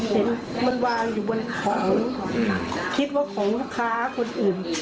เห็นมันวางอยู่บนเขาคิดว่าของลูกค้าคนอื่น